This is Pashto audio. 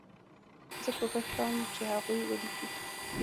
زه کوښښ کوم چې هغوی ولیکي.